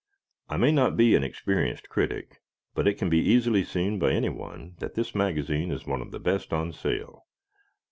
I may not be an experienced critic, but it can be easily seen by anyone that this magazine is one of the best on sale.